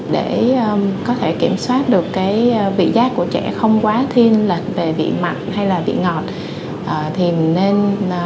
để có thể kiểm soát được cái vị giác của trẻ không quá thiên lệch về vị mặn hay là vị ngọt thì nên